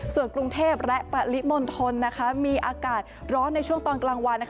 ส่วนกรุงเทพและปริมณฑลมีอากาศร้อนในช่วงตอนกลางวัน